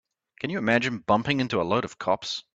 Can you imagine bumping into a load of cops?